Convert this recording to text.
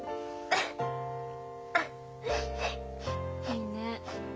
いいね